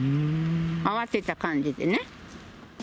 慌てた感じでね。